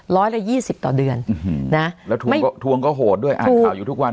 ร้อยละ๒๐ต่อเดือนแล้วทวงก็โหดด้วยอ่านข่าวอยู่ทุกวัน